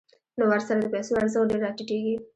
نو ورسره د پیسو ارزښت ډېر راټیټېږي